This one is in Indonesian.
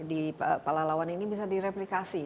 di palalawan ini bisa direplikasi